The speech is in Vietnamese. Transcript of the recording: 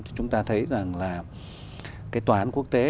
chúng ta thấy rằng là cái tòa án quốc tế